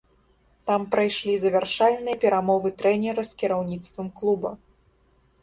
Там прайшлі завяршальныя перамовы трэнера з кіраўніцтвам клуба.